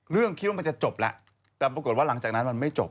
คิดว่ามันจะจบแล้วแต่ปรากฏว่าหลังจากนั้นมันไม่จบ